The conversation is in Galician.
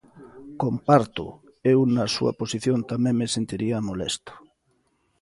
Compártoo, eu na súa posición tamén me sentiría molesto.